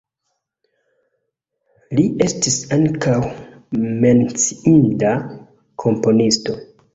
Li estis ankaŭ menciinda komponisto.